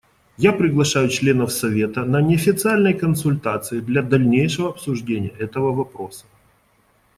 Я приглашаю членов Совета на неофициальные консультации для дальнейшего обсуждения этого вопроса.